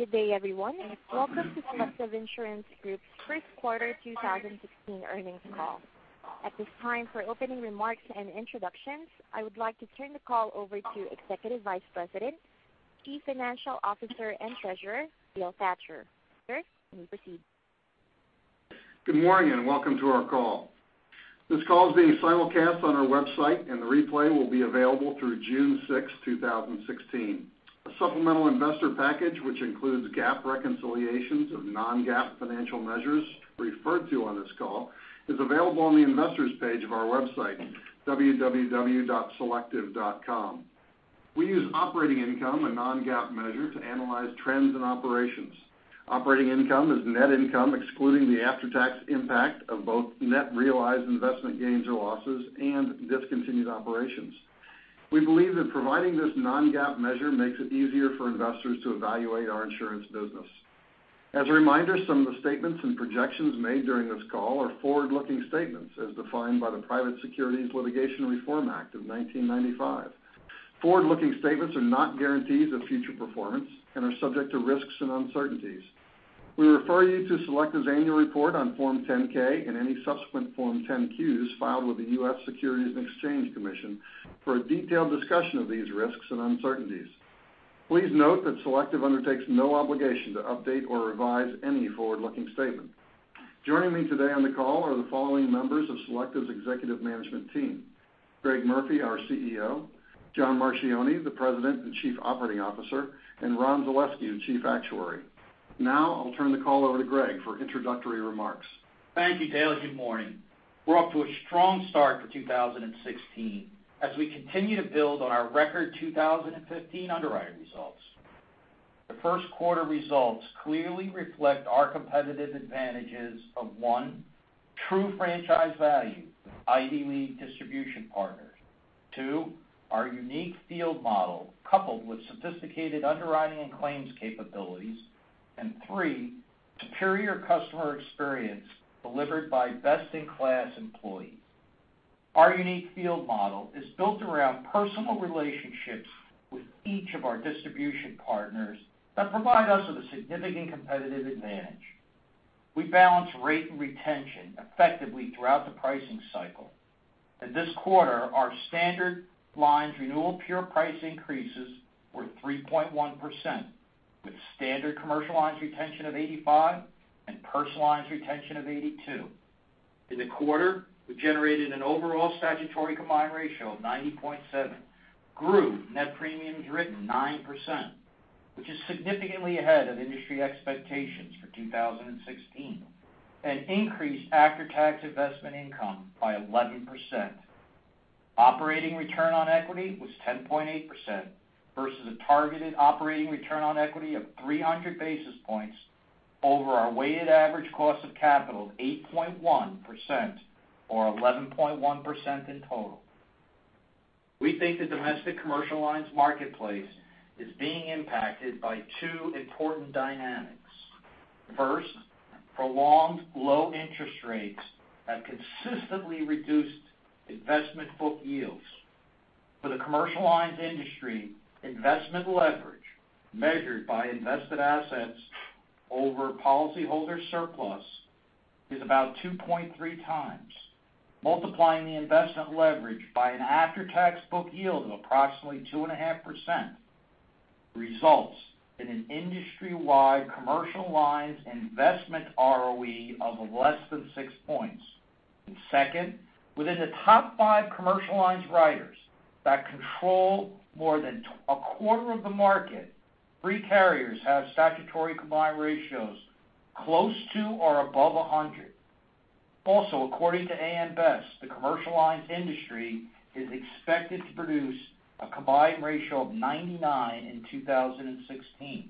Good day, everyone, and welcome to Selective Insurance Group's first quarter 2016 earnings call. At this time, for opening remarks and introductions, I would like to turn the call over to Executive Vice President, Chief Financial Officer, and Treasurer, Dale Thatcher. Sir, you may proceed. Good morning, and welcome to our call. This call is being simulcast on our website. The replay will be available through June 6th, 2016. A supplemental investor package, which includes GAAP reconciliations of non-GAAP financial measures referred to on this call, is available on the investors page of our website, www.selective.com. We use operating income, a non-GAAP measure, to analyze trends and operations. Operating income is net income, excluding the after-tax impact of both net realized investment gains or losses and discontinued operations. We believe that providing this non-GAAP measure makes it easier for investors to evaluate our insurance business. As a reminder, some of the statements and projections made during this call are forward-looking statements as defined by the Private Securities Litigation Reform Act of 1995. Forward-looking statements are not guarantees of future performance and are subject to risks and uncertainties. We refer you to Selective's annual report on Form 10-K and any subsequent Form 10-Qs filed with the U.S. Securities and Exchange Commission for a detailed discussion of these risks and uncertainties. Please note that Selective undertakes no obligation to update or revise any forward-looking statement. Joining me today on the call are the following members of Selective's executive management team: Greg Murphy, our CEO, John Marchioni, the President and Chief Operating Officer, and Ron Zaleski, the Chief Actuary. I'll turn the call over to Greg for introductory remarks. Thank you, Dale. Good morning. We're off to a strong start for 2016 as we continue to build on our record 2015 underwriting results. The first quarter results clearly reflect our competitive advantages of, one, true franchise value with Ivy League distribution partners. Two, our unique field model, coupled with sophisticated underwriting and claims capabilities. Three, superior customer experience delivered by best-in-class employees. Our unique field model is built around personal relationships with each of our distribution partners that provide us with a significant competitive advantage. We balance rate and retention effectively throughout the pricing cycle. In this quarter, our standard lines renewal pure price increases were 3.1%, with standard commercial lines retention of 85% and personal lines retention of 82%. In the quarter, we generated an overall statutory combined ratio of 90.7, grew net premiums written 9%, which is significantly ahead of industry expectations for 2016, increased after-tax investment income by 11%. Operating return on equity was 10.8% versus a targeted operating return on equity of 300 basis points over our weighted average cost of capital of 8.1%, or 11.1% in total. We think the domestic commercial lines marketplace is being impacted by two important dynamics. Prolonged low interest rates have consistently reduced investment book yields. For the commercial lines industry, investment leverage, measured by invested assets over policyholder surplus, is about 2.3 times. Multiplying the investment leverage by an after-tax book yield of approximately 2.5% results in an industry-wide commercial lines investment ROE of less than six points. Second, within the top five commercial lines writers that control more than a quarter of the market, three carriers have statutory combined ratios close to or above 100. Also, according to AM Best, the commercial lines industry is expected to produce a combined ratio of 99 in 2016.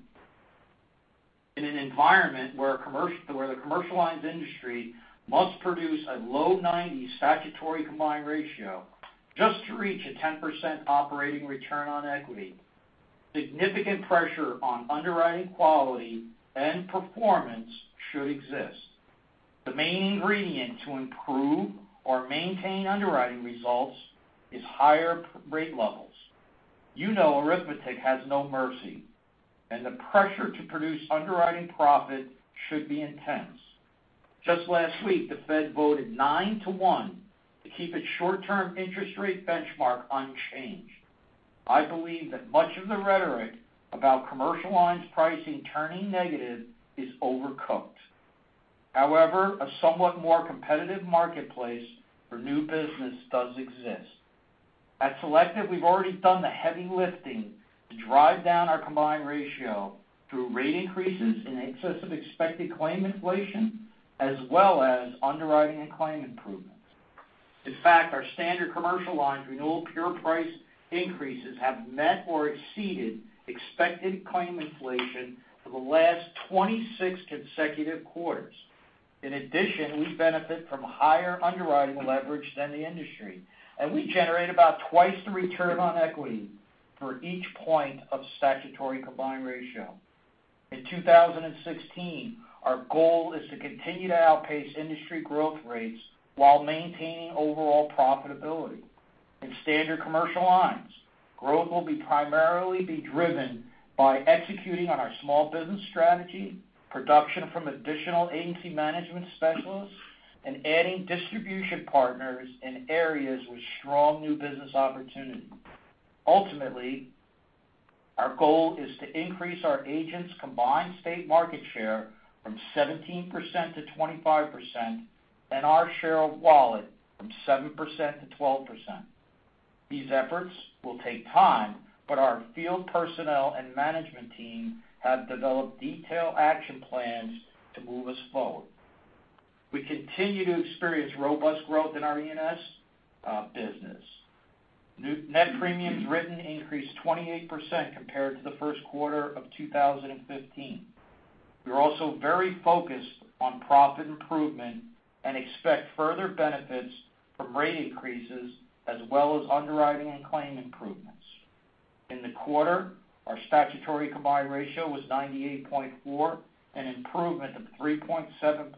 In an environment where the commercial lines industry must produce a low 90 statutory combined ratio just to reach a 10% operating return on equity, significant pressure on underwriting quality and performance should exist. The main ingredient to improve or maintain underwriting results is higher rate levels. You know arithmetic has no mercy, the pressure to produce underwriting profit should be intense. Just last week, the Fed voted nine to one to keep its short-term interest rate benchmark unchanged. I believe that much of the rhetoric about commercial lines pricing turning negative is overcooked. However, a somewhat more competitive marketplace for new business does exist. At Selective, we've already done the heavy lifting to drive down our combined ratio through rate increases in excess of expected claim inflation, as well as underwriting and claim improvements. In fact, our standard commercial lines renewal pure price increases have met or exceeded expected claim inflation for the last 26 consecutive quarters. In addition, we benefit from higher underwriting leverage than the industry, we generate about twice the return on equity for each point of statutory combined ratio. In 2016, our goal is to continue to outpace industry growth rates while maintaining overall profitability. In standard commercial lines, growth will primarily be driven by executing on our small business strategy, production from additional agency management specialists, and adding distribution partners in areas with strong new business opportunities. Ultimately, our goal is to increase our agents' combined state market share from 17% to 25%, and our share of wallet from 7% to 12%. These efforts will take time, but our field personnel and management team have developed detailed action plans to move us forward. We continue to experience robust growth in our E&S business. New net premiums written increased 28% compared to the first quarter of 2015. We're also very focused on profit improvement and expect further benefits from rate increases, as well as underwriting and claim improvements. In the quarter, our statutory combined ratio was 98.4, an improvement of 3.7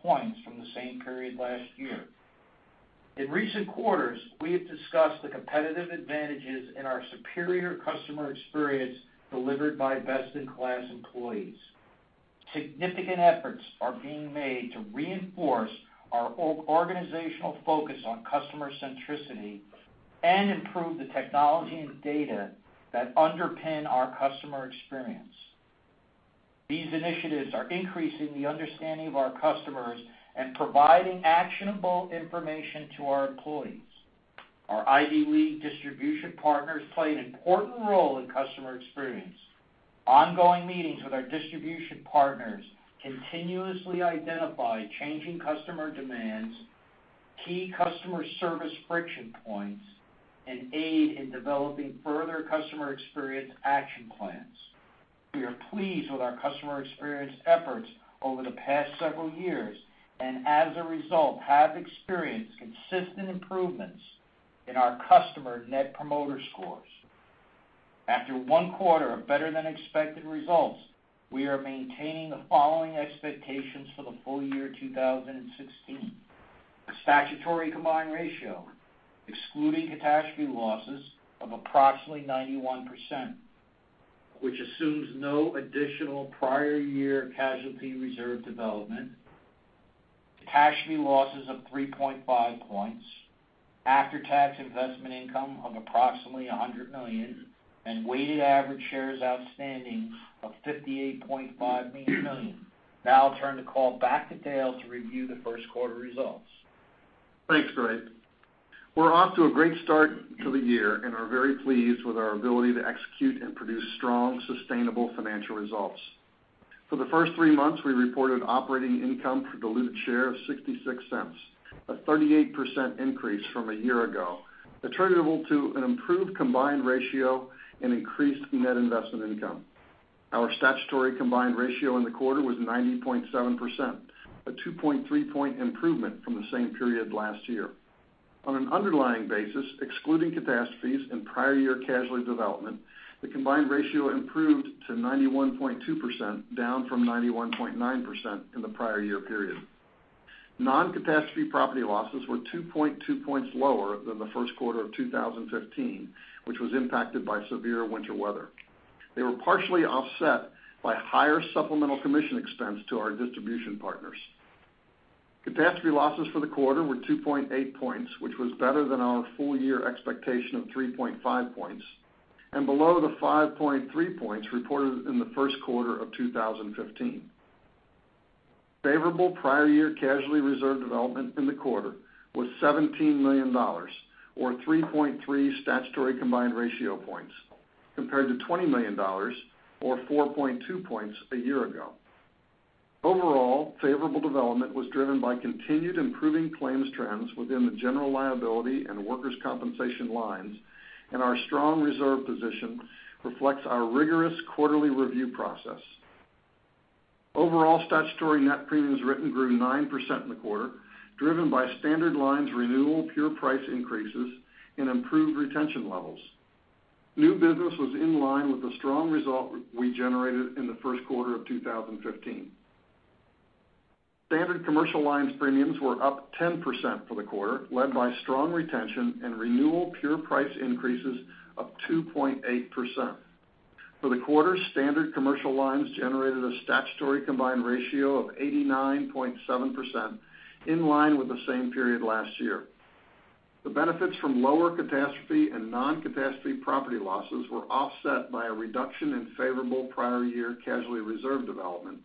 points from the same period last year. In recent quarters, we have discussed the competitive advantages in our superior customer experience delivered by best-in-class employees. Significant efforts are being made to reinforce our organizational focus on customer centricity and improve the technology and data that underpin our customer experience. These initiatives are increasing the understanding of our customers and providing actionable information to our employees. Our Ivy League distribution partners play an important role in customer experience. Ongoing meetings with our distribution partners continuously identify changing customer demands, key customer service friction points, and aid in developing further customer experience action plans. We are pleased with our customer experience efforts over the past several years, and as a result, have experienced consistent improvements in our customer Net Promoter Scores. After one quarter of better-than-expected results, we are maintaining the following expectations for the full year 2016. A statutory combined ratio, excluding catastrophe losses of approximately 91%, which assumes no additional prior year casualty reserve development, catastrophe losses of 3.5 points, after-tax investment income of approximately $100 million, and weighted average shares outstanding of $58.5 million. I'll turn the call back to Dale to review the first quarter results. Thanks, Greg. We're off to a great start to the year and are very pleased with our ability to execute and produce strong, sustainable financial results. For the first three months, we reported operating income per diluted share of $0.66, a 38% increase from a year ago, attributable to an improved combined ratio and increased net investment income. Our statutory combined ratio in the quarter was 90.7%, a 2.3-point improvement from the same period last year. On an underlying basis, excluding catastrophes and prior year casualty development, the combined ratio improved to 91.2%, down from 91.9% in the prior year period. Non-catastrophe property losses were 2.2 points lower than the first quarter of 2015, which was impacted by severe winter weather. They were partially offset by higher supplemental commission expense to our distribution partners. Catastrophe losses for the quarter were 2.8 points, which was better than our full year expectation of 3.5 points, and below the 5.3 points reported in the first quarter of 2015. Favorable prior year casualty reserve development in the quarter was $17 million, or 3.3 statutory combined ratio points, compared to $20 million or 4.2 points a year ago. Overall, favorable development was driven by continued improving claims trends within the general liability and workers' compensation lines, and our strong reserve position reflects our rigorous quarterly review process. Overall statutory net premiums written grew 9% in the quarter, driven by standard lines renewal pure price increases and improved retention levels. New business was in line with the strong result we generated in the first quarter of 2015. Standard commercial lines premiums were up 10% for the quarter, led by strong retention and renewal pure price increases of 2.8%. For the quarter, standard commercial lines generated a statutory combined ratio of 89.7%, in line with the same period last year. The benefits from lower catastrophe and non-catastrophe property losses were offset by a reduction in favorable prior year casualty reserve development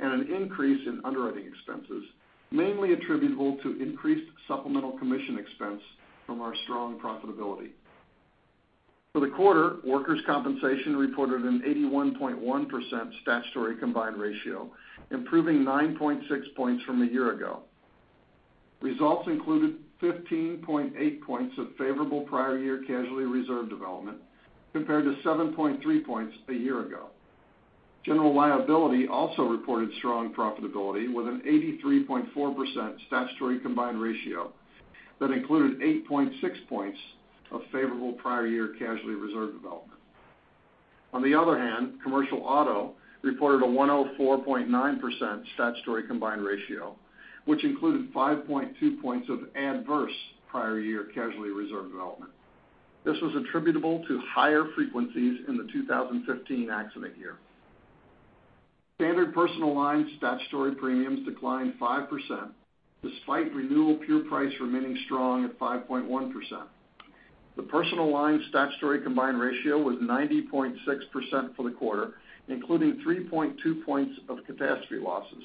and an increase in underwriting expenses, mainly attributable to increased supplemental commission expense from our strong profitability. For the quarter, workers' compensation reported an 81.1% statutory combined ratio, improving 9.6 points from a year ago. Results included 15.8 points of favorable prior year casualty reserve development, compared to 7.3 points a year ago. General liability also reported strong profitability with an 83.4% statutory combined ratio that included 8.6 points of favorable prior year casualty reserve development. On the other hand, commercial auto reported a 104.9% statutory combined ratio, which included 5.2 points of adverse prior year casualty reserve development. This was attributable to higher frequencies in the 2015 accident year. Standard personal line statutory premiums declined 5%, despite renewal pure price remaining strong at 5.1%. The personal line statutory combined ratio was 90.6% for the quarter, including 3.2 points of catastrophe losses.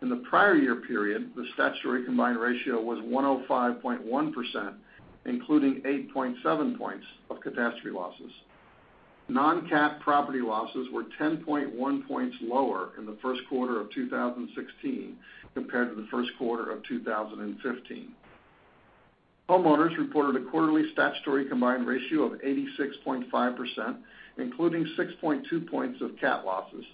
In the prior year period, the statutory combined ratio was 105.1%, including 8.7 points of catastrophe losses. Non-cat property losses were 10.1 points lower in the first quarter of 2016 compared to the first quarter of 2015. Homeowners reported a quarterly statutory combined ratio of 86.5%, including 6.2 points of cat losses,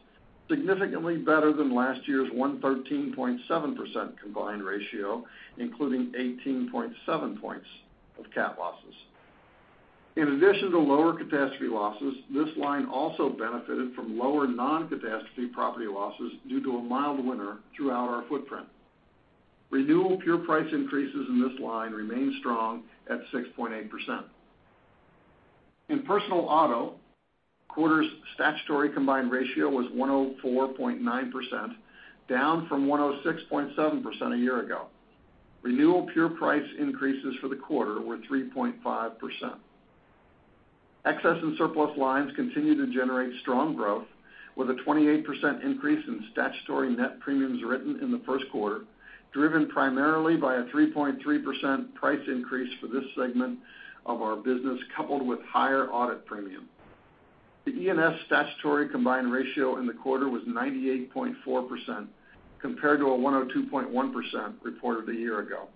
significantly better than last year's 113.7% combined ratio, including 18.7 points of cat losses. In addition to lower catastrophe losses, this line also benefited from lower non-catastrophe property losses due to a mild winter throughout our footprint. Renewal pure price increases in this line remain strong at 6.8%. In personal auto, quarter's statutory combined ratio was 104.9%, down from 106.7% a year ago. Renewal pure price increases for the quarter were 3.5%. Excess and Surplus lines continue to generate strong growth with a 28% increase in statutory net premiums written in the first quarter, driven primarily by a 3.3% price increase for this segment of our business, coupled with higher audit premium. The E&S statutory combined ratio in the quarter was 98.4%, compared to a 102.1% reported a year ago.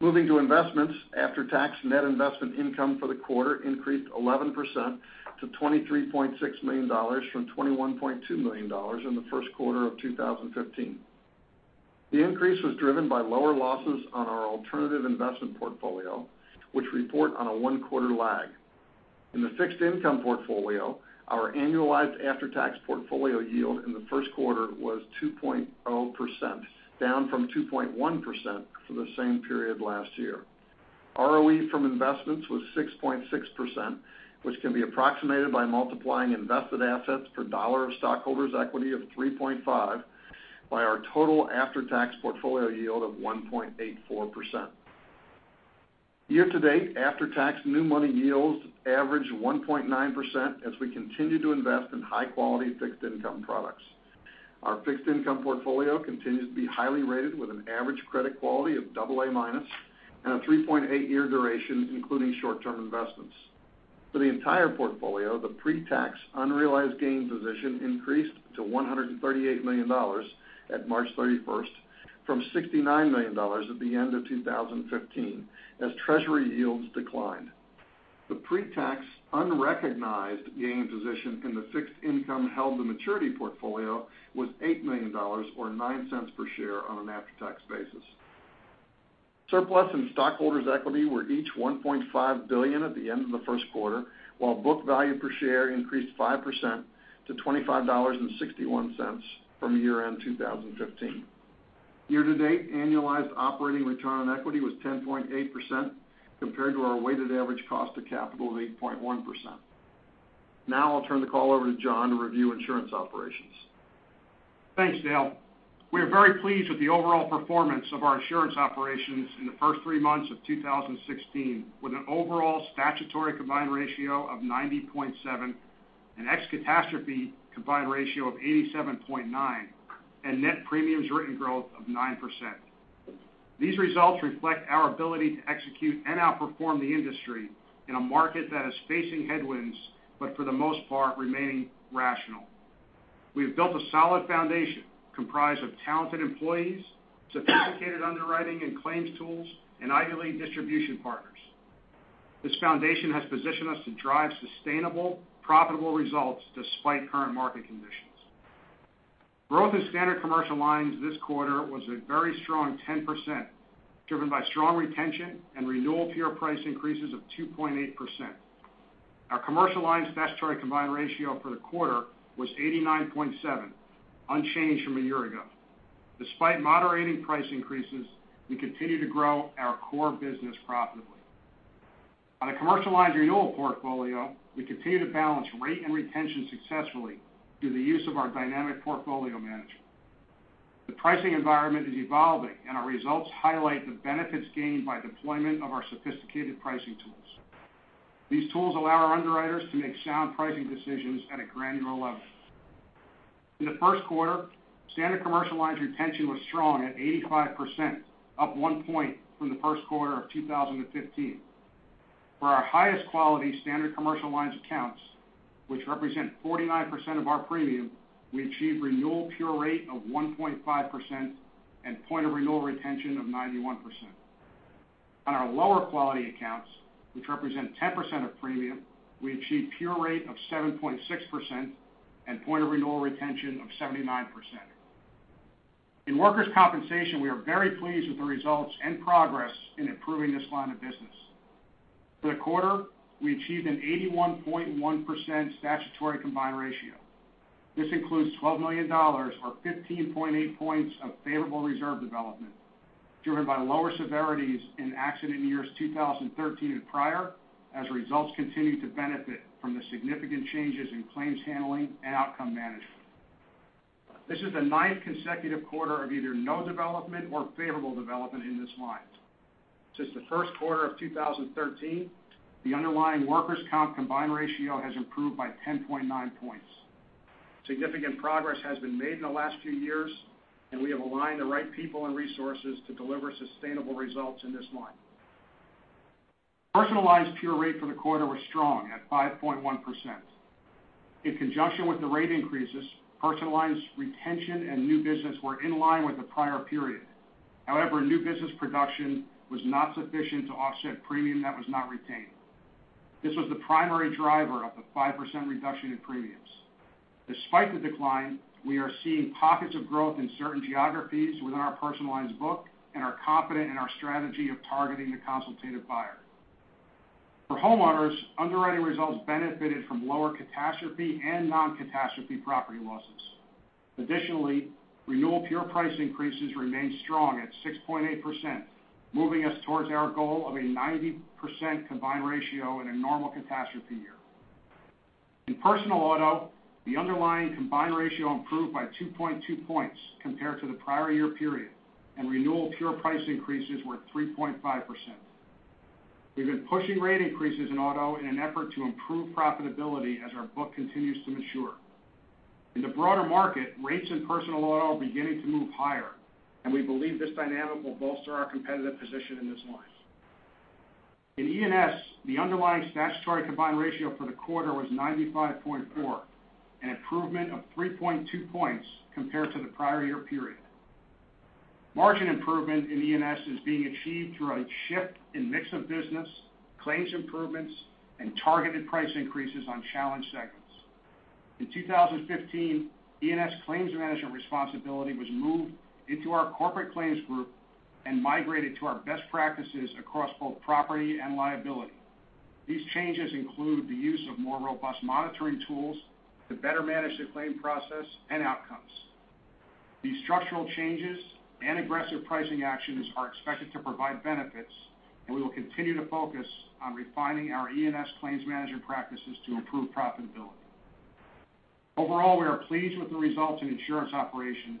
Moving to investments, after-tax net investment income for the quarter increased 11% to $23.6 million, from $21.2 million in the first quarter of 2015. The increase was driven by lower losses on our alternative investment portfolio, which report on a one-quarter lag. In the fixed income portfolio, our annualized after-tax portfolio yield in the first quarter was 2.0%, down from 2.1% for the same period last year. ROE from investments was 6.6%, which can be approximated by multiplying invested assets per dollar of stockholders' equity of 3.5 by our total after-tax portfolio yield of 1.84%. Year to date, after-tax new money yields averaged 1.9% as we continue to invest in high-quality fixed income products. Our fixed income portfolio continues to be highly rated with an average credit quality of a double A minus, and a 3.8 year duration, including short-term investments. For the entire portfolio, the pre-tax unrealized gains position increased to $138 million at March 31st, from $69 million at the end of 2015, as Treasury yields declined. The pre-tax unrecognized gains position in the fixed income held-to-maturity portfolio was $8 million, or $0.09 per share on an after-tax basis. Surplus and stockholders' equity were each $1.5 billion at the end of the first quarter, while book value per share increased 5% to $25.61 from year-end 2015. Year to date, annualized operating return on equity was 10.8% compared to our weighted average cost of capital of 8.1%. I'll turn the call over to John to review insurance operations. Thanks, Dale. We are very pleased with the overall performance of our insurance operations in the first three months of 2016, with an overall statutory combined ratio of 90.7, an ex-catastrophe combined ratio of 87.9, and net premiums written growth of 9%. These results reflect our ability to execute and outperform the industry in a market that is facing headwinds, for the most part, remaining rational. We have built a solid foundation comprised of talented employees, sophisticated underwriting and claims tools, and ideally, distribution partners. This foundation has positioned us to drive sustainable, profitable results despite current market conditions. Growth in standard commercial lines this quarter was a very strong 10%, driven by strong retention and renewal pure price increases of 2.8%. Our commercial lines statutory combined ratio for the quarter was 89.7, unchanged from a year ago. Despite moderating price increases, we continue to grow our core business profitably. On a commercial lines renewal portfolio, we continue to balance rate and retention successfully through the use of our dynamic portfolio management. The pricing environment is evolving, our results highlight the benefits gained by deployment of our sophisticated pricing tools. These tools allow our underwriters to make sound pricing decisions at a granular level. In the first quarter, standard commercial lines retention was strong at 85%, up one point from the first quarter of 2015. For our highest quality standard commercial lines accounts, which represent 49% of our premium, we achieved renewal pure rate of 1.5% and point of renewal retention of 91%. On our lower quality accounts, which represent 10% of premium, we achieved pure rate of 7.6% and point of renewal retention of 79%. In workers' compensation, we are very pleased with the results and progress in improving this line of business. For the quarter, we achieved an 81.1% statutory combined ratio. This includes $12 million, or 15.8 points of favorable reserve development, driven by lower severities in accident years 2013 and prior, as results continue to benefit from the significant changes in claims handling and outcome management. This is the ninth consecutive quarter of either no development or favorable development in this line. Since the first quarter of 2013, the underlying workers' comp combined ratio has improved by 10.9 points. Significant progress has been made in the last few years, we have aligned the right people and resources to deliver sustainable results in this line. Personalized pure rate for the quarter was strong at 5.1%. In conjunction with the rate increases, personalized retention and new business were in line with the prior period. However, new business production was not sufficient to offset premium that was not retained. This was the primary driver of the 5% reduction in premiums. Despite the decline, we are seeing pockets of growth in certain geographies within our personalized book and are confident in our strategy of targeting the consultative buyer. For homeowners, underwriting results benefited from lower catastrophe and non-catastrophe property losses. Additionally, renewal pure price increases remained strong at 6.8%, moving us towards our goal of a 90% combined ratio in a normal catastrophe year. In personal auto, the underlying combined ratio improved by 2.2 points compared to the prior year period, and renewal pure price increases were 3.5%. We've been pushing rate increases in auto in an effort to improve profitability as our book continues to mature. In the broader market, rates in personal auto are beginning to move higher, and we believe this dynamic will bolster our competitive position in this line. In E&S, the underlying statutory combined ratio for the quarter was 95.4%, an improvement of 3.2 points compared to the prior year period. Margin improvement in E&S is being achieved through a shift in mix of business, claims improvements, and targeted price increases on challenged segments. In 2015, E&S claims management responsibility was moved into our corporate claims group and migrated to our best practices across both property and liability. These changes include the use of more robust monitoring tools to better manage the claim process and outcomes. These structural changes and aggressive pricing actions are expected to provide benefits, and we will continue to focus on refining our E&S claims management practices to improve profitability. Overall, we are pleased with the results in insurance operations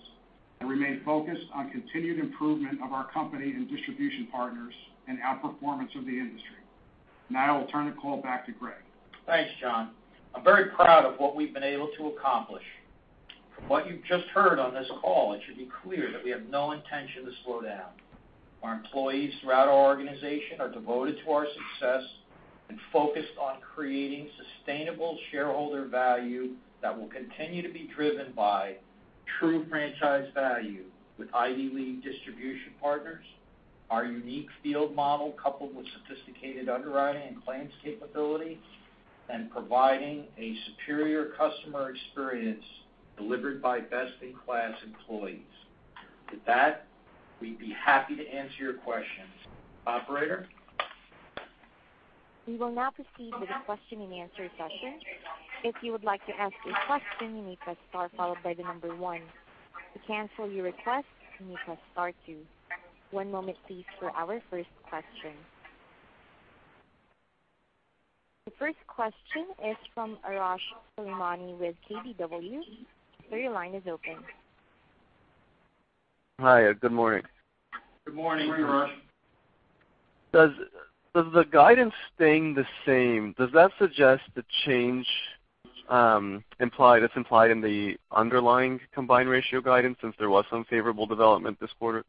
and remain focused on continued improvement of our company and distribution partners and outperformance of the industry. Now I will turn the call back to Greg. Thanks, John. I'm very proud of what we've been able to accomplish. From what you've just heard on this call, it should be clear that we have no intention to slow down. Our employees throughout our organization are devoted to our success and focused on creating sustainable shareholder value that will continue to be driven by true franchise value with Ivy League distribution partners, our unique field model, coupled with sophisticated underwriting and claims capability, and providing a superior customer experience delivered by best-in-class employees. With that, we'd be happy to answer your questions. Operator? We will now proceed with the question and answer session. If you would like to ask a question, you may press star followed by the number one. To cancel your request, you may press star two. One moment please for our first question. The first question is from Arash Soleimani with KBW. Sir, your line is open. Hi, good morning. Good morning. Good morning, Arash. Does the guidance staying the same, does that suggest the change that's implied in the underlying combined ratio guidance, since there was some favorable development this quarter?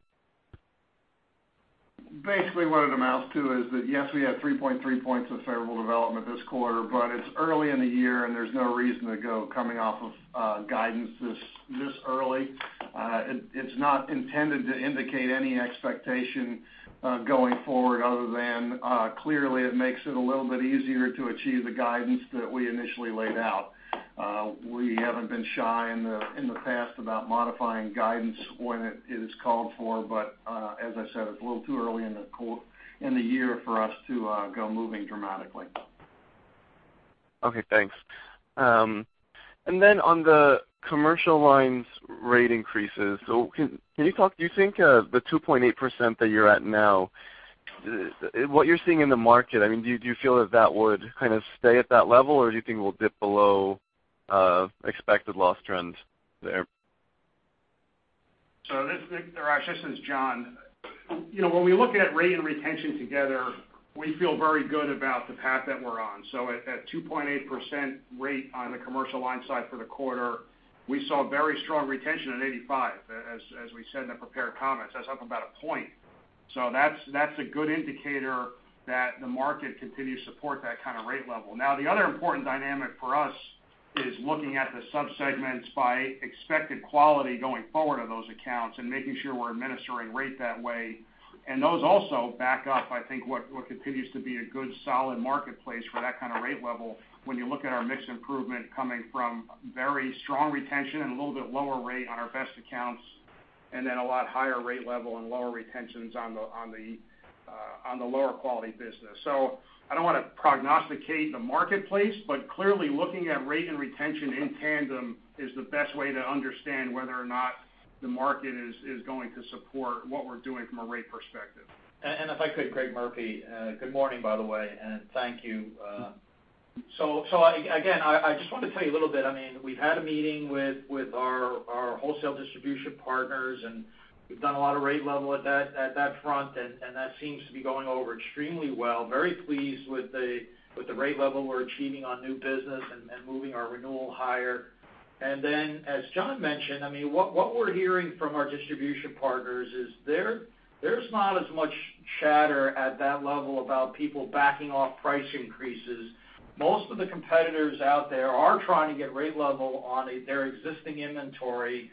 What it amounts to is that, yes, we had 3.3 points of favorable development this quarter, but it's early in the year, and there's no reason to go coming off of guidance this early. It's not intended to indicate any expectation going forward other than clearly it makes it a little bit easier to achieve the guidance that we initially laid out. We haven't been shy in the past about modifying guidance when it is called for. As I said, it's a little too early in the year for us to go moving dramatically. Okay, thanks. On the commercial lines rate increases, do you think the 2.8% that you're at now, what you're seeing in the market, do you feel that would kind of stay at that level, or do you think it will dip below expected loss trends there? Arash, this is John. When we look at rate and retention together, we feel very good about the path that we're on. At that 2.8% rate on the commercial line side for the quarter, we saw very strong retention at 85%, as we said in the prepared comments. That's up about a point. That's a good indicator that the market continues to support that kind of rate level. The other important dynamic for us is looking at the subsegments by expected quality going forward of those accounts and making sure we're administering rate that way. Those also back up, I think, what continues to be a good solid marketplace for that kind of rate level when you look at our mix improvement coming from very strong retention and a little bit lower rate on our best accounts. Then a lot higher rate level and lower retentions on the lower quality business. I don't want to prognosticate the marketplace, but clearly looking at rate and retention in tandem is the best way to understand whether or not the market is going to support what we're doing from a rate perspective. If I could, Greg Murphy. Good morning, by the way, and thank you. Again, I just want to tell you a little bit. We've had a meeting with our wholesale distribution partners, and we've done a lot of rate level at that front, that seems to be going over extremely well. Very pleased with the rate level we're achieving on new business and moving our renewal higher. Then, as John mentioned, what we're hearing from our distribution partners is there's not as much chatter at that level about people backing off price increases. Most of the competitors out there are trying to get rate level on their existing inventory.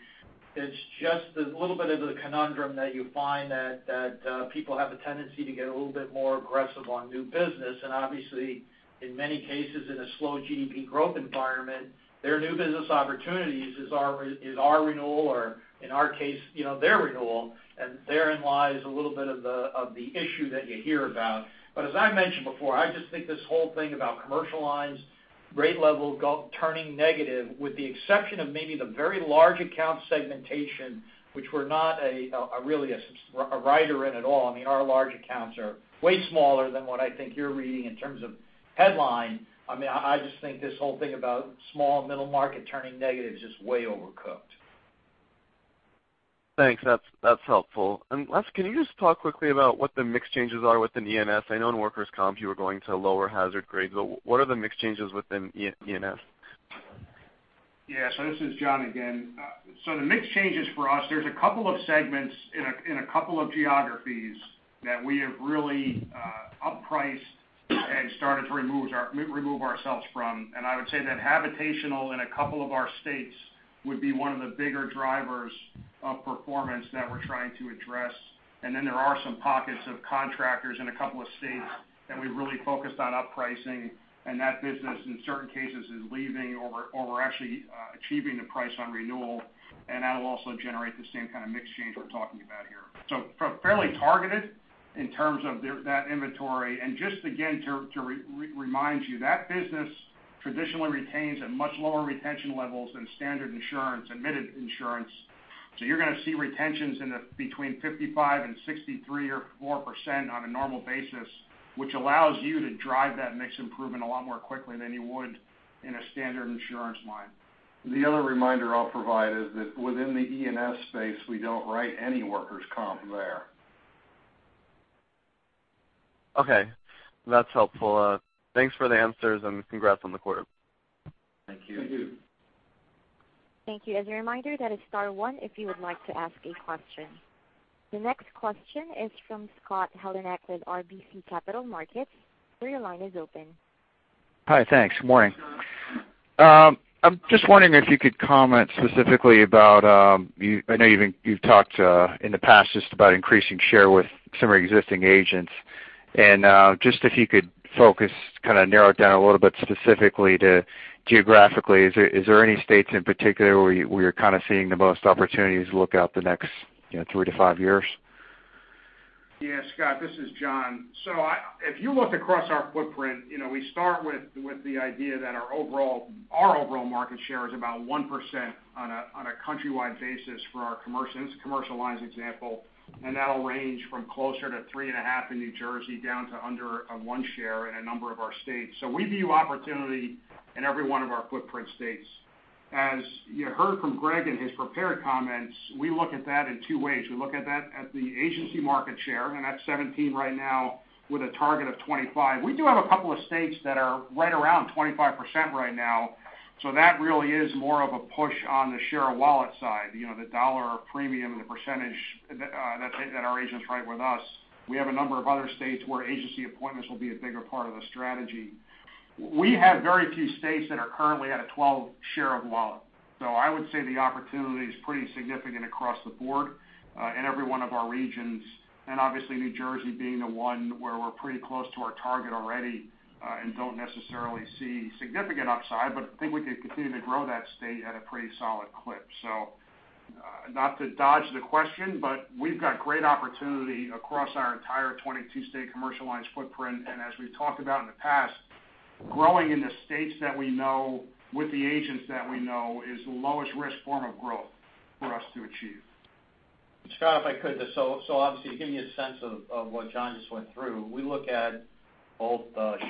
It's just a little bit of the conundrum that you find that people have a tendency to get a little bit more aggressive on new business. Obviously, in many cases in a slow GDP growth environment, their new business opportunities is our renewal or, in our case, their renewal. Therein lies a little bit of the issue that you hear about. As I mentioned before, I just think this whole thing about commercial lines, rate level turning negative, with the exception of maybe the very large account segmentation, which we're not really a rider in at all. Our large accounts are way smaller than what I think you're reading in terms of headline. I just think this whole thing about small and middle market turning negative is just way overcooked. Thanks. That's helpful. Last, can you just talk quickly about what the mix changes are within E&S? I know in workers' comp you were going to lower hazard grades, but what are the mix changes within E&S? This is John again. The mix changes for us, there's a couple of segments in a couple of geographies that we have really up-priced and started to remove ourselves from. I would say that habitational in a couple of our states would be one of the bigger drivers of performance that we're trying to address. There are some pockets of contractors in a couple of states that we've really focused on up-pricing, and that business, in certain cases, is leaving or we're actually achieving the price on renewal, and that'll also generate the same kind of mix change we're talking about here. Fairly targeted in terms of that inventory. Just again, to remind you, that business traditionally retains at much lower retention levels than standard insurance, admitted insurance. You're going to see retentions between 55% and 63% or 4% on a normal basis, which allows you to drive that mix improvement a lot more quickly than you would in a standard insurance line. The other reminder I'll provide is that within the E&S space, we don't write any workers' comp there. That's helpful. Thanks for the answers and congrats on the quarter. Thank you. Thank you. Thank you. As a reminder, that is star one if you would like to ask a question. The next question is from Scott Heleniak with RBC Capital Markets. Sir, your line is open. Hi, thanks. Morning. I'm just wondering if you could comment specifically about, I know you've talked in the past just about increasing share with some of your existing agents. Just if you could focus, kind of narrow it down a little bit specifically to geographically, is there any states in particular where you're kind of seeing the most opportunities look out the next three to five years? Scott, this is John. If you look across our footprint, we start with the idea that our overall market share is about 1% on a countrywide basis for our commercial lines example. That will range from closer to 3.5% in New Jersey down to under one share in a number of our states. We view opportunity in every one of our footprint states. As you heard from Greg in his prepared comments, we look at that in two ways. We look at that at the agency market share, and that's 17 right now with a target of 25. We do have a couple of states that are right around 25% right now. That really is more of a push on the share of wallet side, the dollar premium, the percentage that our agents write with us. We have a number of other states where agency appointments will be a bigger part of the strategy. We have very few states that are currently at a 12 share of wallet. I would say the opportunity is pretty significant across the board in every one of our regions. Obviously New Jersey being the one where we're pretty close to our target already and don't necessarily see significant upside, but I think we can continue to grow that state at a pretty solid clip. Not to dodge the question, but we've got great opportunity across our entire 22-state commercial lines footprint. As we've talked about in the past, growing in the states that we know with the agents that we know is the lowest risk form of growth for us to achieve. Scott, if I could. Obviously, to give you a sense of what John just went through, we look at both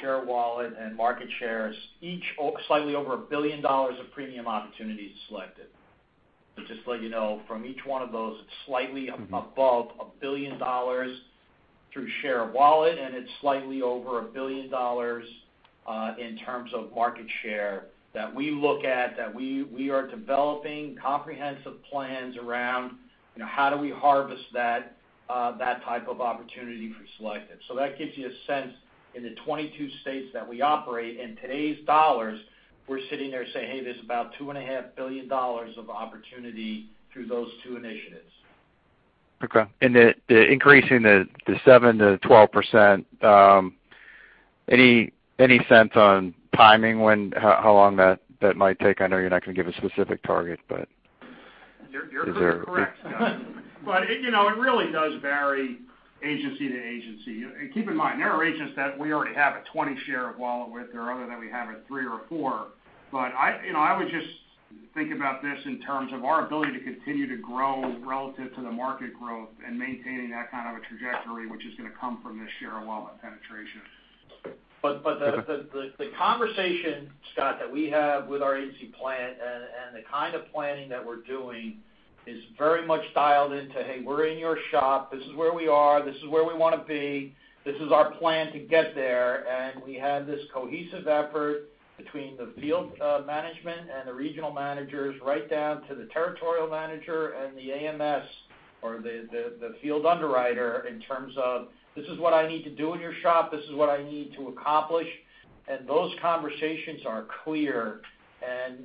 share of wallet and market shares, each slightly over $1 billion of premium opportunities at Selective. Just to let you know, from each one of those, it's slightly above $1 billion through share of wallet, and it's slightly over $1 billion in terms of market share that we look at, that we are developing comprehensive plans around how do we harvest that type of opportunity for Selective. That gives you a sense in the 22 states that we operate, in today's dollars, we're sitting there saying, "Hey, there's about $2.5 billion of opportunity through those two initiatives. Okay. Increasing the 7%-12%. Any sense on timing, how long that might take? I know you're not going to give a specific target, but. You're correct, Scott. It really does vary agency to agency. Keep in mind, there are agents that we already have a 20 share of wallet with or other that we have a three or a four. I would just think about this in terms of our ability to continue to grow relative to the market growth and maintaining that kind of a trajectory, which is going to come from this share of wallet penetration. The conversation, Scott, that we have with our agency plan, and the kind of planning that we're doing is very much dialed into, hey, we're in your shop. This is where we are, this is where we want to be. This is our plan to get there. We have this cohesive effort between the field management and the regional managers, right down to the territorial manager and the AMS, or the field underwriter, in terms of this is what I need to do in your shop, this is what I need to accomplish. Those conversations are clear,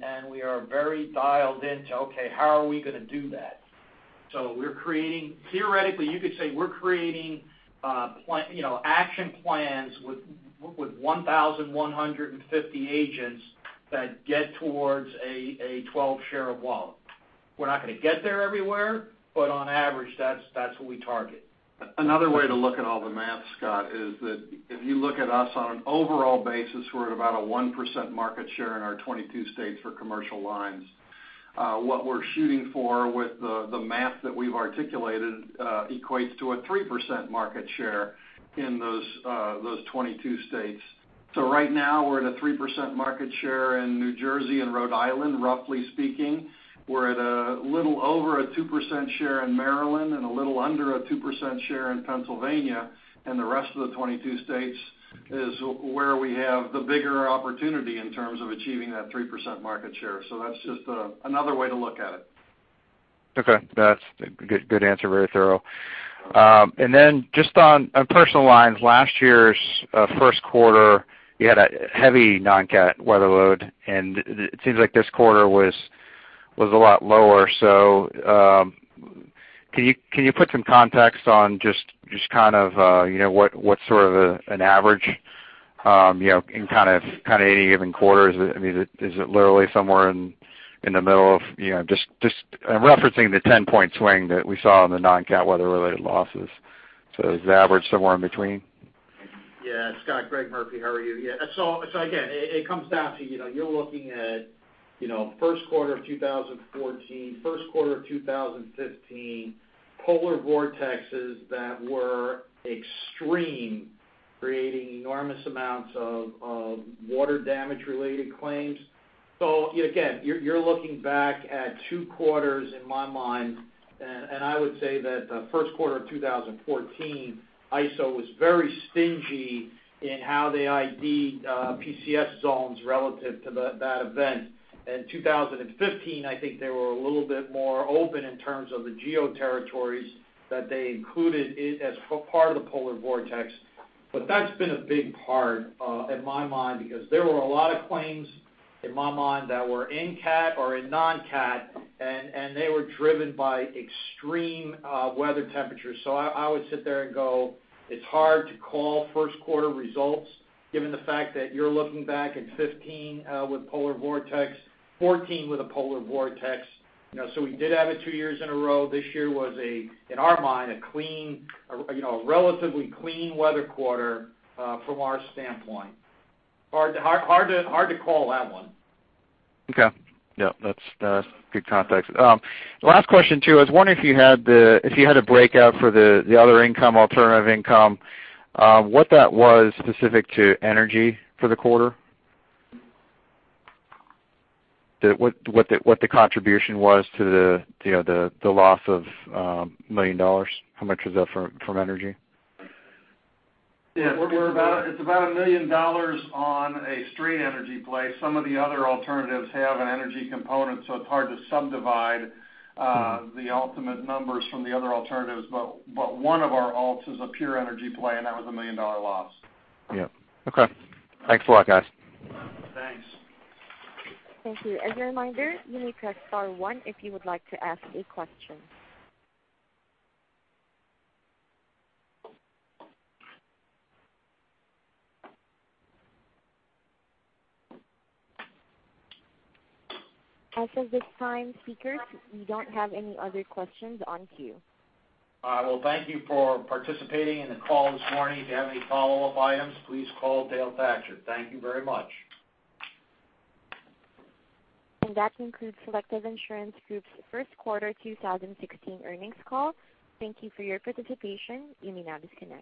and we are very dialed into, okay, how are we going to do that? Theoretically, you could say we're creating action plans with 1,150 agents that get towards a 12 share of wallet. We're not going to get there everywhere, but on average, that's what we target. Another way to look at all the math, Scott, is that if you look at us on an overall basis, we're at about a 1% market share in our 22 states for commercial lines. What we're shooting for with the math that we've articulated equates to a 3% market share in those 22 states. Right now, we're at a 3% market share in New Jersey and Rhode Island, roughly speaking. We're at a little over a 2% share in Maryland and a little under a 2% share in Pennsylvania. The rest of the 22 states is where we have the bigger opportunity in terms of achieving that 3% market share. That's just another way to look at it. Okay. That's a good answer. Very thorough. Just on personal lines, last year's first quarter, you had a heavy non-cat weather load, and it seems like this quarter was a lot lower. Can you put some context on just what sort of an average in any given quarter? Is it literally somewhere in the middle of just referencing the 10-point swing that we saw in the non-cat weather related losses. Is the average somewhere in between? Yeah. Scott, Greg Murphy, how are you? Again, it comes down to you're looking at first quarter of 2014, first quarter of 2015 polar vortexes that were extreme, creating enormous amounts of water damage related claims. Again, you're looking back at two quarters in my mind, I would say that the first quarter of 2014, ISO was very stingy in how they ID'd PCS zones relative to that event. In 2015, I think they were a little bit more open in terms of the geo territories that they included as part of the polar vortex. That's been a big part in my mind, because there were a lot of claims in my mind that were in cat or in non-cat, and they were driven by extreme weather temperatures. I always sit there and go, it's hard to call first quarter results given the fact that you're looking back at 2015 with polar vortex, 2014 with a polar vortex. We did have it two years in a row. This year was, in our mind, a relatively clean weather quarter from our standpoint. Hard to call that one. Okay. That's good context. Last question to you. I was wondering if you had a breakout for the other income, alternative income, what that was specific to energy for the quarter. What the contribution was to the loss of $1 million. How much was that from energy? It's about $1 million on a straight energy play. Some of the other alternatives have an energy component, so it's hard to subdivide the ultimate numbers from the other alternatives. One of our alts is a pure energy play, and that was a $1 million loss. Yep. Okay. Thanks a lot, guys. Thanks. Thank you. As a reminder, you need to press star one if you would like to ask a question. As of this time, speakers, we don't have any other questions on queue. I will thank you for participating in the call this morning. If you have any follow-up items, please call Dale Thatcher. Thank you very much. That concludes Selective Insurance Group's first quarter 2016 earnings call. Thank you for your participation. You may now disconnect.